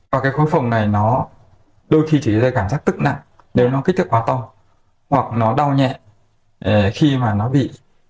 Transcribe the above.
và cái khối phồng này nó đôi khi chỉ là cái cảm giác tức nặng nếu nó kích thước quá to hoặc nó đau nhẹ khi mà nó bị